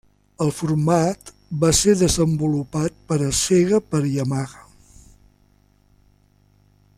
El format va ser desenvolupat per a Sega per Yamaha.